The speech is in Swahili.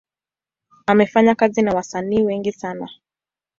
Amefanya kazi na wasanii wengi sana.